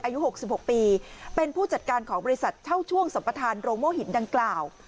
อายุ๖๖ปีเป็นผู้จัดการของบริษัทเช่าช่วงสัมปทานโรงโม่หินดังกล่าว